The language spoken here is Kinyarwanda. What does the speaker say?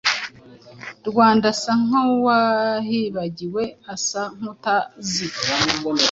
Rwanda asa nk'uwahibagiwe, asa nk'utazi